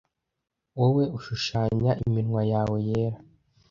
wowe ushushanya iminwa yawe yera